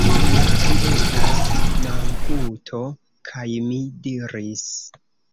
Ne, vi estas namputo! kaj mi diris: